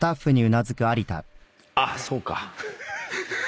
あっそうか。